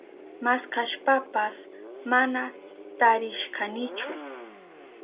Maskashpapas mana tarishkanichu.